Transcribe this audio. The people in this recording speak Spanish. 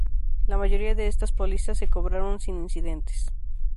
La mayoría de estas pólizas se cobraron sin incidentes.